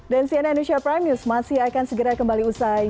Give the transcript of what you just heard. dan cnn indonesia prime news masih akan segera kembali usai